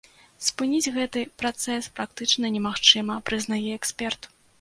Спыніць гэты працэс практычна немагчыма, прызнае эксперт.